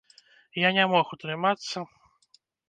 Я не мог утрымацца.